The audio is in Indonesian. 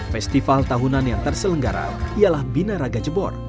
festival tahunan yang terselenggaran ialah binaraga jebor